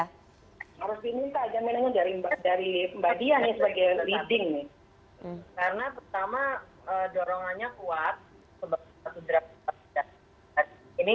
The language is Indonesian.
harus diminta jaminan dari mbak dia sebagai leading nih